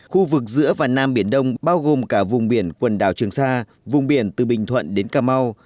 khu vực giữa và nam biển đông bao gồm cả vùng biển quần đảo trường sa vùng biển từ bình thuận đến cà mau